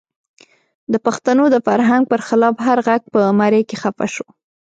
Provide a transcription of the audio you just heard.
د پښتنو د فرهنګ پر خلاف هر غږ په مرۍ کې خفه شو.